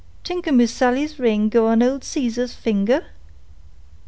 "T'ink a Miss Sally's ring go on old Caesar finger?"